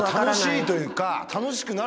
楽しいというか。